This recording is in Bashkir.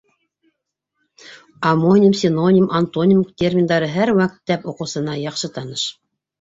Омоним, синоним, антоним терминдары һәр мәктәп уҡыусыһына яҡшы таныш.